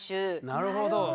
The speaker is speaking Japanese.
なるほど。